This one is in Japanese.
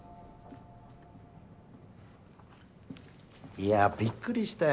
いやびっくりしたよ